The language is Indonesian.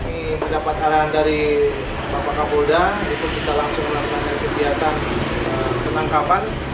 ini mendapat arahan dari bapak kapolda itu kita langsung melaksanakan kegiatan penangkapan